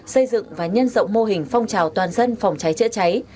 xây dựng và nhân rộng mô hình phong trào toàn dân phòng cháy chữa cháy